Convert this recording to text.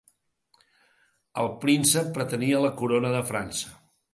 El príncep pretenia la corona de França.